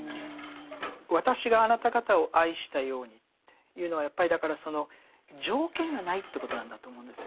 「わたしがあなた方を愛したように」というのはやっぱりだからその条件がないということなんだと思うんですよね。